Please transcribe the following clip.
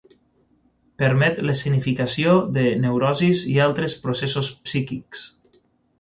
Permet l'escenificació de neurosis i altres processos psíquics.